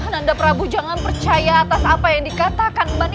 nanda prabu jangan percaya atas apa yang dikatakan